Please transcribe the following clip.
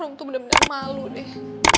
rum tuh bener bener malu deh